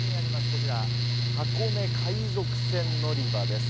こちら、箱根海賊船乗り場です。